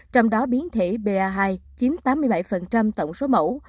trong đó biến thể ba hai chiếm tám mươi bảy tổng số mẫu